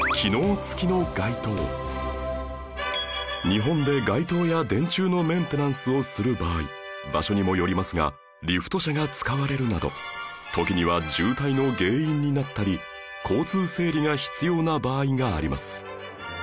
日本で街灯や電柱のメンテナンスをする場合場所にもよりますがリフト車が使われるなど時には渋滞の原因になったり交通整理が必要な場合があります